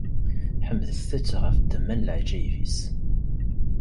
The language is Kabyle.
Ḥemdet- t ɣef ddemma n leɛǧayeb-is!